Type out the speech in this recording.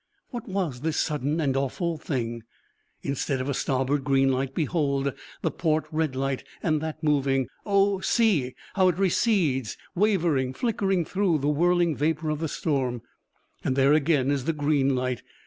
What was this sudden and awful thing? Instead of the starboard green light, behold! the port red light and that moving! Oh, see! how it recedes, wavering, flickering through the whirling vapor of the storm! And there again is the green light!